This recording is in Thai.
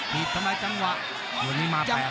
ตีตทำไมจังหวะ